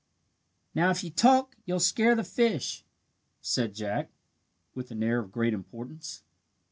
"Now if you talk you'll scare the fish," said Jack, with an air of great importance.